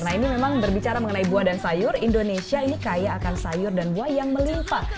nah ini memang berbicara mengenai buah dan sayur indonesia ini kaya akan sayur dan buah yang melipat